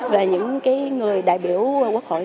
và những cái người đại biểu quốc hội